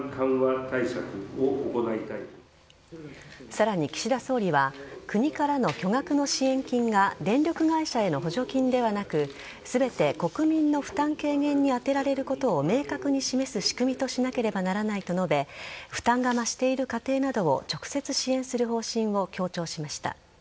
さらに岸田総理は国からの巨額の支援金が電力会社への補助金ではなく全て、国民の負担軽減に充てられることを明確に示す仕組みとしなければならないと述べ負担が増している家庭などを直接支援する方針を強調しました。